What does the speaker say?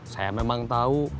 saya memang tau